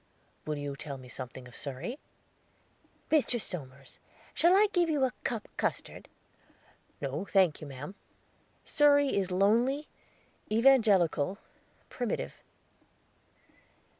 "Will you tell me something of Surrey?" "Mr. Somers, shall I give you a cup custard?" "No, thank you, mam." "Surrey is lonely, evangelical, primitive."